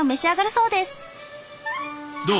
どう？